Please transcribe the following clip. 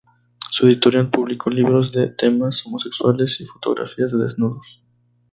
Su editorial publicó libros de temas homosexuales y fotografías de desnudos.